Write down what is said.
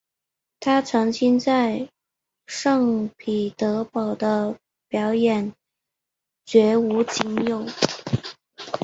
她曾经在圣彼得堡的表演绝无仅有。